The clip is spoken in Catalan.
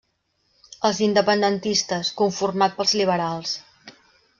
Els independentistes, conformat pels liberals.